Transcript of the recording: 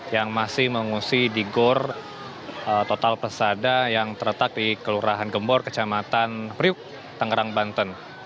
yang masih mengungsi di gor total pesada yang terletak di kelurahan gembor kecamatan priuk tangerang banten